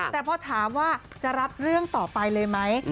แต่พอถามว่าจะรับเรื่องต่อไปเลยไหม